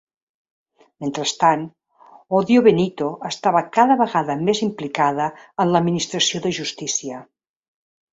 Mentrestant, Odio Benito estava cada vegada més implicada en l'administració de justícia.